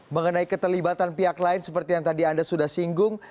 mengenai keterlibatan pihak lain seperti yang tadi anda sudah singgung